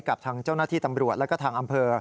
กับทางเจ้าหน้าที่ตำรวจแล้วก็ทางอำเภอ